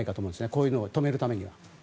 こういうのを止めるためには。